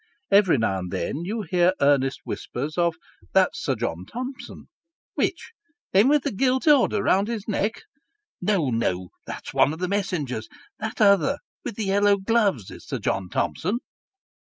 Every now and then you hear earnest whispers of "That's Sir John Thomson." "Which? him with the gilt order round his neck ?"" No, no ; that's one of the messengers that other with the yellow gloves, is Sir John Thomson."